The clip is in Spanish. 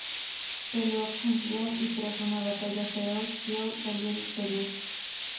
Peleó con Ryo y, tras una batalla feroz, Ryo salió victorioso.